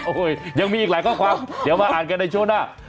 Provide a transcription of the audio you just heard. โอ้โหยังมีอีกหลายข้อความเดี๋ยวมาอ่านกันในช่วงหน้า